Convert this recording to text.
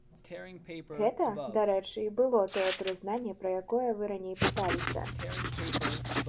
Гэта, дарэчы, і было тое прызнанне, пра якое вы раней пыталіся.